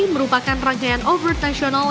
merupakan rangkaian overt national